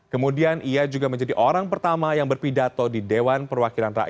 kemudian ia juga menjadi orang pertama yang mengunjungi tiongkok